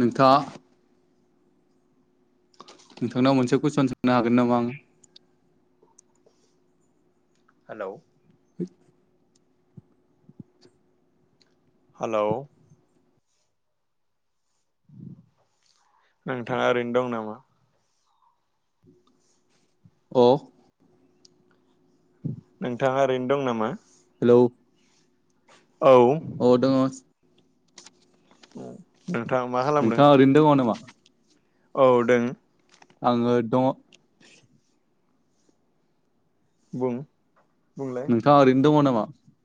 नोंथा नोंथांनाव मोनसे कुइसन सोंनो हागोन नामा आं? हेलौ। [inaudible] हेलौ। नोंथाङा ओरैनो दं नामा? अ'। नोंथाङा ओरैनो दं नामा? औ। औ। औ। नोंथाङा ओरैनो दङ नामा? औ दों। आङो दङ। बुं। बुंलाय नोंथाङा ओरैनो दङ नामा? अ।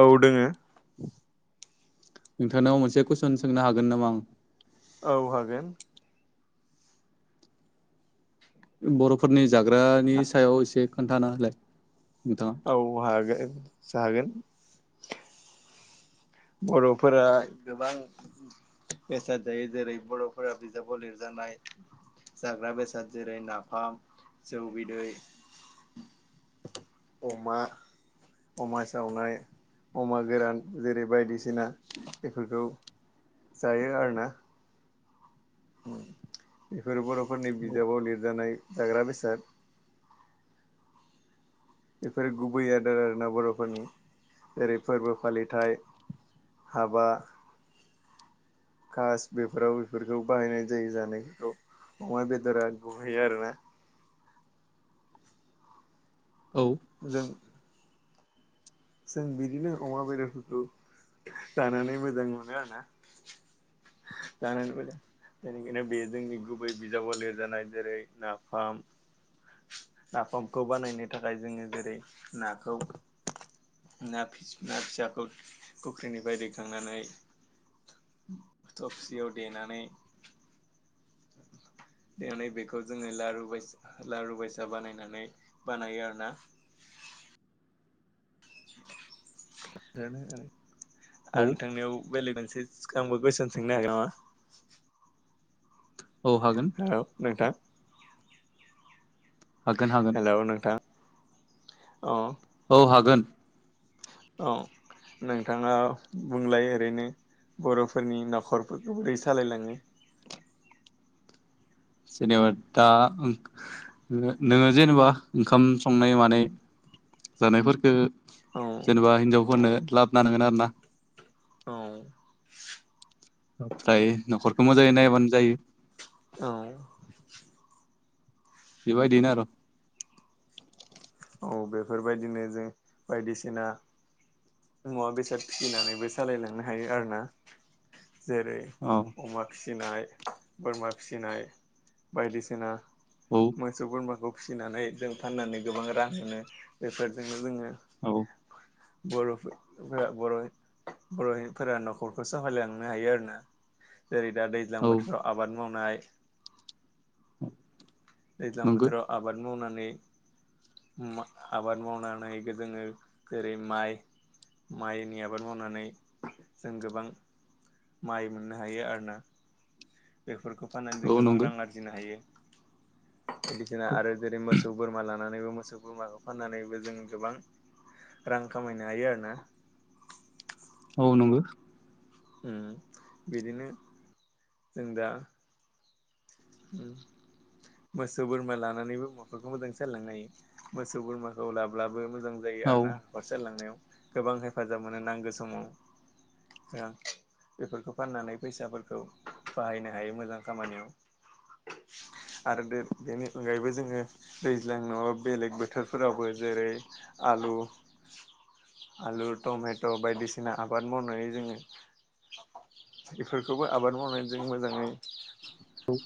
औ दोङो। नोंथांनाव मोनसे कुइसन सोंनो हागोन नामा आं? औ हागोन। बर'फोरनि। जाग्रानि सायाव एसे खोन्थाना होलाय नोंथाङा। औ हागोन जागोन। बर'फोरा गोबां बेसाद जायो जेरै बर'फोरा बिजाबाव लिरजानाय जाग्रा बेसाद जेरै नाफाम जौ बिदै अमा अमा सावनाय अमा गोरान जेरै बायदिसिना बेफोरखौ। जायो आरो ना। ओम बेफोरो बर'फोरनि बिजाबाव लिरजानाय जाग्रा बेसाद। बेफोर गुबै आदार आरोना बर'फोरनि जेरै फोरबो फालिथाय हाबा कास बेफोराव बेफोरखौ बाहायनाय जायो जानायफोरखौ अमा बेदरा गुबै आरोना। औ। जों जों बिदिनो अमा बेदरफोरखौ जानानै मोजां मोनो आरोना जानानै मोजां बेनिखायनो बे जोंनि गुबै बिजाबाव लिरजानाय जेरै नाफाम नाफामखौ बानायनो थाखाय जोङो जेरै नाखौ ना फिसा ना फिसाखौ फुख्रिनिफ्राय दैखांनानै थबसियाव देनानै देनानै बेखौ जोङो लारु बायस लारु बायसा बानायनानै बानायो आरोना [unintelligible] औ आरो नोंथांनियाव बेलेग मोनसे।। [unintelligible] कुइसन सोंनो हागोन नामा? औ हागोन हेल नोंथां। हागोन हागोन हेल' नोंथां। अ अ हागोन औ नोंथाङा बुंलाय ओरैनो बर'फोरनि नखरफोरखौ बोरै सालायलाङो। जेनेबा दा ओं ओ नोङो जेनेबा ओंखाम संनाय मानाय जानायफोरफोरखो औ जेनेबा औ हिनजावफोरनो लाबनानै होगोन आरोना। औ ओमफ्राय न'खरखौ मोजाङै नायबानो जायो। औ बेबायदिनो आर' औ बेफोरबायदिनो जों बायदिसिना मुवा बेसाद फिसिनानैबो सालायलांनो हायो आरोना। जेरै औ अमा फिस फिसिनाय बोरमा फिसिनाय बायदिसिना। औ मोसौ बोरमाखौ। फिसिनानै जों फाननानै गोबां रां मोनो। बेफोरजोंनो जोङो। औ बर'फो फोरा बर' बर'निफोरा न'खरखौ सावहायलांनो हायो आरोना जेरै दा दैज्लां औ बोथोराव आबाद। मावनाय। दैज्लां नंगौ बोथोराव आबाद मावनानै आबाद मावनानै जोङो जेरै माइ माइनि आबाद मावनानै जों गोबां माइ मोननो हायो आरोना बेफोरखौ फाननानै औ जों गोबां नंगौ रां आरजिनो हायो। बायदिसिना आरो जेरै मोसौ बोरमा ला नानै मोसौ बोरमाखौ फाननानैबो जों गोबां रां खामायनो हायो आरोना। औ नंगौ बिदिनो जों दा मोसौ बोरमा लानानैबो नखरखौ मोजां सालायलांनो हायो मोसौ बोरमाखौ लाब्लाबो मो मोजां जायो औ आरोना हरसेल लांनायाव गोबां हेफाजाब मोनो नांगौ समाव बेफोरखौ फाननानै फैसाफोरखौ बाहायनो हायो मोजां खामानियाव आरो बेनि अनगायैबो जोङो दैज्लां न'आव बेलेग बोथोरफोरावबो जेरै आलु आलु टमेट' बायदिसिना आबाद मावनानै जोङो बेफोरखौबो आबाद मावनायजों मोजाङै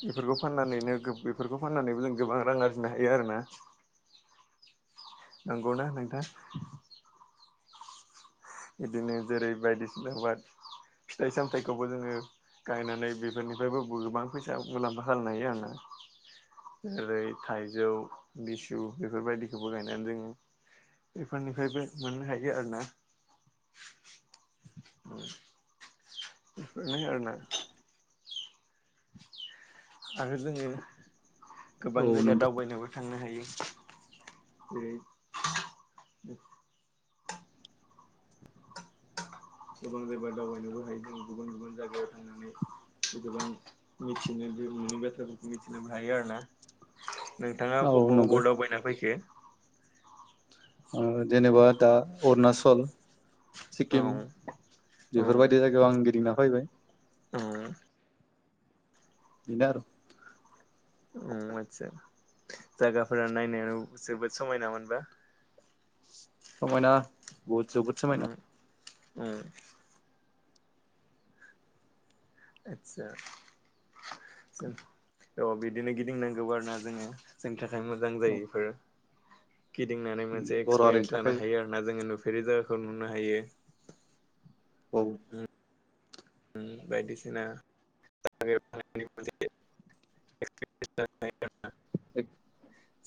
बेफोरखौ फाननानैनो बेफोरखौ फाननानैबो जों गोबां रां आरजिनो हायो आरोना नंगौना नोंथां? बिदिनो जेरै बायदिसिना आबाद फिथाइ सामथायाइखौबो जोङो गायनानै बेफोरनिफ्रायबो गोबां फैसा मुलाम्फा खालामनो हायो आरोना जेरै थाइजौ लिसु बेफोरबायदिखौबो गायनानै जोङो बेफोरनिफ्रायबो मोननो हायो आरोना बेफोरनो आरोना आरो जोङो गोबां औ जायगा नंगौ दावबायनोबो थांनो हायो। जेरै [inaudible] गोबां जायगा दावबायनोबो हायो जों गुबुन गुबुन जायगायाव थांनानै गोबां मिथिनोबो नुयि बाथ्राफोरखौ मिथिनोबो हायो आरो ना नोंथाङा औ अबाव नंगौ अबाव दावबायनानै फैखो? जेनेबा दा अरुणाचल औ सिक्किम बेफोरबायदि जायगायाव आं गिदिंना फैबाय। उम बिनो आरो उम आतसा जायगाफोरा नायनायाव जोबोद समायना मोनबा समायना बहुद जोबोद समायना। उम उम आदसा जों औ बिदिनो गिदिंनांगौ आरोना जोङो जों मोजां औ जायो इफोरो गिदिंनानै मोनसे बर' हारिनि एक्सपिरियेन्स लानो थाखाय हायो आरो ना जोङो नुफे नुफेरि जायगाखौ नुनो हायो। औ। उम [unintelligible]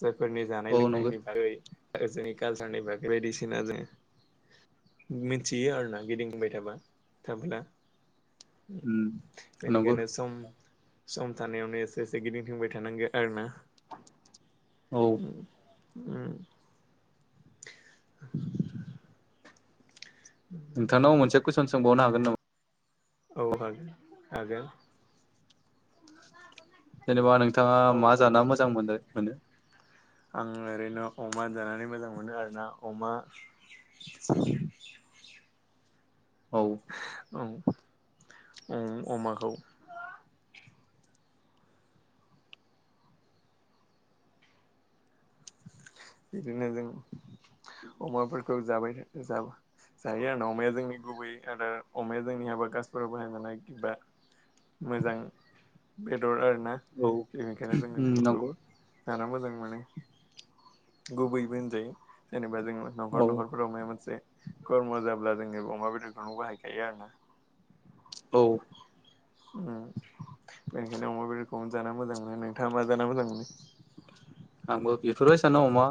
जायफोरनि जानाय औ नंगौ लोंनायनि बागै आरो जोंनि कालसारनि बागै बायदिसिना जों मिथियो आरोना गिदिंबाय थाबा थाबोला। नंगौ बेनिखायनो सम सम थानायावनो एसे एसे गिदिंथिंबाय थानांगो आरो ना। औ ओम उम [inaudible] नोंथांनाव मोनसे कुइसन सोंबावनो हागोन नामा? औ हागोन हागोन जेनेबा नोंथाङा औ मा जाना मोजां मोनो मोनो आङो ओरैनो अमा जानानै मोजां मोनो आरोना अमा औ औ ओम अमाखौ बिदिनो जों अमाफोरखौ जाबाय जाबा जायो आरोना अमाया जोंनि गुबै आरो अमाया जोंनि हाबा गासफोराव बाहाय जानाय बा मोजां बेदर आरो ना औ बेनिखायनो जोङो बेफोरखौ नंगौ जाना मोजां मोनो। गुबैबो होनजायो जेनेबा जों औ न'खर न'खरफोराव माबा मोनसे खरमा जाब्ला जोङो अमा बेदरखौनो बाहायखायो आरोना। औ ओम बेनिखायनो अमा बेदरखौ जाना मोजां मोनो। नोंथाङा मा जाना मोजां मोनो? आंबो बेफोरबायसानो अमा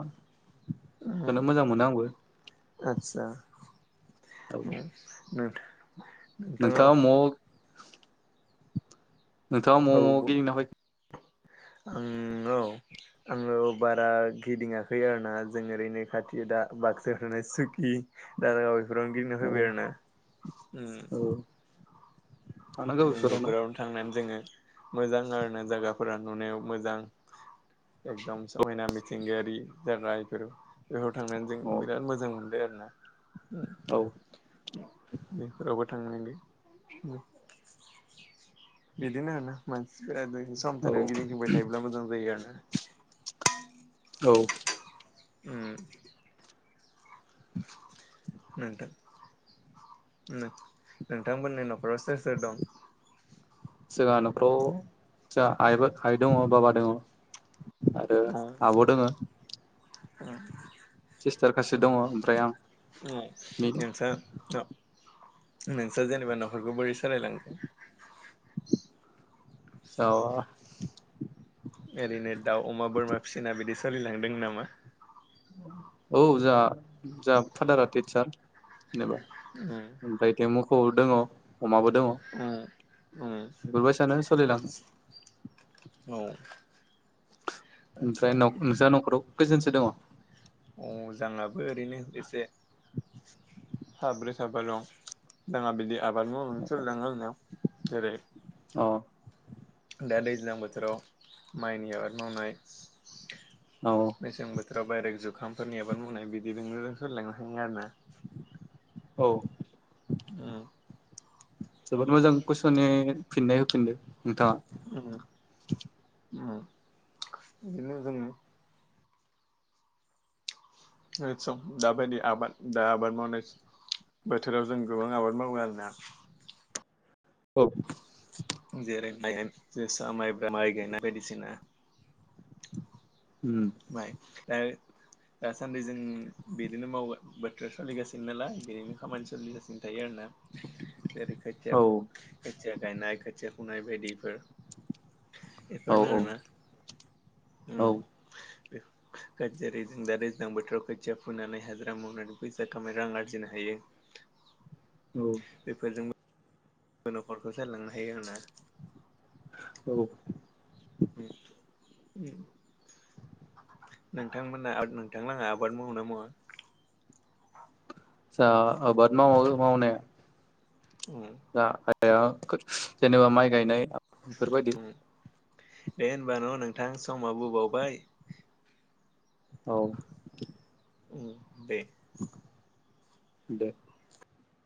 जानो मोजां मोनो आंबो आतसा औ उम उम नोंथाङा म नोंथाङा औ माव माव बुं गिदिंना फैखो? आं औ आङो बारा गिदिङाखै आरोना जों ओरैनो खाथि दा बाक्सायाव थानाय सुकि, दारागाव फोरावनो गिदिंना औ फैबाय आरो ना ओम औ ‌। ओम बेफोरावनो थांनानै जोङो मोजां आरो ना जायगाफोरा नुनायाव मोजां एकदम समायना मिथिंगायारि जागा बेफोरो। बेहाव थांनानै जों औ बिराद मोजां मोनबाय आरो। [inaudible] औ ओ बेफोरावबो थांनांगो ओम बिदिनो आरोना मानसिफोराबो सम औ थानायावनो गिदिंथिंबाय थायोब्ला मोजां जायो आरोना। [inaudible] औ। ओम। नोंथां -नोंथां -नोंथांमोननि नखराव सोर सोर दं? जोंहा नखराव जोहा आइ बो आइ दङ' बाबा दङ'। आरो आब' दोङो। सिस्टार खासे उम। दङ ओमफ्राय आं [unintelligible] बेनो नोंसा जेनेबा नखरखौ बोरै सालायलाङो? औ। ओरैनो दाउ अमा बोरमा फिसिना बिदि सोलिलांदों नामा? औ जाहा जाहा फादारा थितसार जेनेबा ओमफ्राय इथिं मोखौबो दङ'। अमाबो दङ'। बेबायसानो सोलिलाङो। आदसा औ। आदसा ओमफ्राय न' नोंस्रा नखराव? कैजोनसो दङ? अ जोंहाबो ओरैनो एसे साब्रै साबा दं जोंहा बिदि आबाद मावनानै सोलिलाङो आरोना। जेरै औ। दा दैज्लां बोथोराव माइनि आबाद मावनाय औ मेसें बोथोर [unintelligible] जुखामफोरनि आबाद मावनाय बिदिजोंनो सोलिलांनो हायो आरोना। औ। ओम। जोबोद मोजां कुइसननि फिननाय हो फिनदो नोंथाङा। ओ बिदिनो जोङो [unintelligible] दाबायदि आबाद दा आबाद मावनाय बोथोराव जों गोबां आबाद मावो आरोना। औ। जेरै माइ जोसा माइब्रा माइ गायनाय बायदिसिना। उम माय दा दासान्दि जों बिदिनो मावगोन बोथोर सोलिगासिनो नालाय बेनिनो खामानि सोलिगासिनो थायो आरोना जेरै खोथिया औ खोथिया गायनाय खोथिया फुनाय बायदिफोर औ एफोरनो आरोना औ ओम। जेरै जों दा दैज्लां बोथोराव खोथिया फुनानै हाजिरा मावनानै फैसा खामायनो रां आरजिनो हायो। औ। बेफोरजोंबो न'खरखौ जालांनो हायो आरोना। औ। नोंथांमोना नोंथांलाहा आबाद मावो ना मावा? जाहा आबाद मावो मावनाया। उम दा आदाया जेनेबा माइ गायनाय आ इफोरबायदि उम दे होनबा न' नोंथां समाबो बावबाय। औ। उम दे। दे।